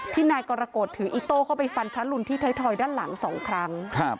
นายกรกฏถืออิโต้เข้าไปฟันพระรุนที่ไทยทอยด้านหลัง๒ครั้ง